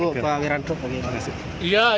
oh pak wiranto pak wiranto